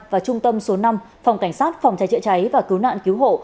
và trung tâm số năm phòng cảnh sát phòng cháy chữa cháy và cứu nạn cứu hộ